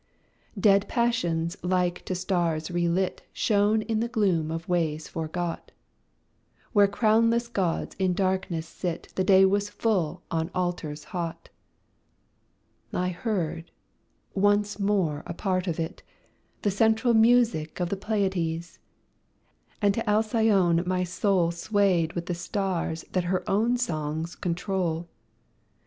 Dead passions like to stars relit Shone in the gloom of ways forgot; Where crownless gods in darkness sit The day was full on altars hot. I heard once more a part of it The central music of the Pleiades, And to Alcyone my soul Swayed with the stars that own her song's control.